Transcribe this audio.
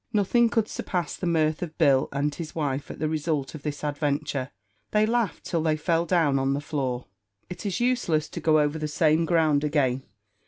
Nothing could surpass the mirth of Bill and his wife at the result of this adventure. They laughed till they fell down on the floor. It is useless to go over the same ground again.